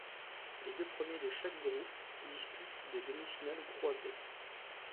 Les deux premiers de chaque groupes disputent des demi-finales croisées.